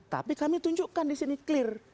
tapi kami tunjukkan di sini clear